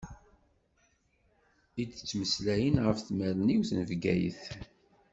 I d-yettmeslayen ɣef tmerniwt n Bgayet.